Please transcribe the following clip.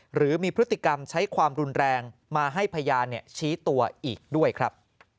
หรือมีพฤติกรรมใช้ความรุนแรงมาให้พยานชี้ตัวอีกด้วยครับ